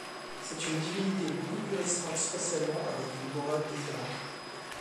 C'est une divinité beaucoup plus restreinte spatialement, avec une morale différente.